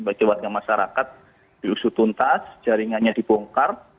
harapan kami sebagai wakil masyarakat diusutuntas jaringannya dibongkar